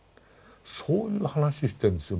そういう話してるんですよ。